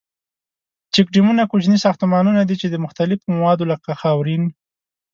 چیک ډیمونه کوچني ساختمانونه دي ،چې د مختلفو موادو لکه خاورین.